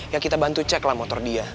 ya kita bantu cek lah motor dia